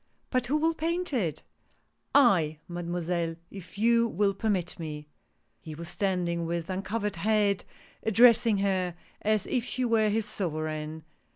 " But who will paint it ?"" I, Mademoiselle, if you will permit me !" He was standing, with uncovered head, addressing her as if she were liis sovereign.